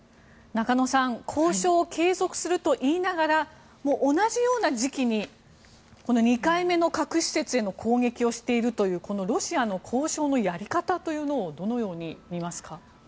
中野さん交渉を継続すると言いながら同じような時期に２回目の核施設への攻撃をしているというこのロシアの交渉のやり方というのをどのように見ますか？